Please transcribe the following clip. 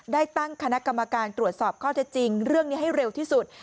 ได้ตั้งคณะกรรมการตรวจสอบข้อเท็จจริงเรื่องนี้ให้เร็วที่สุด